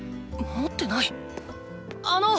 持ってない⁉あの！